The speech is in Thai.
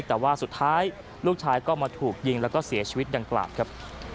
แต่ว่าสุดท้ายลูกชายก็มาถูกยิงแล้วก็เสียชีวิตดังกล่าวครับ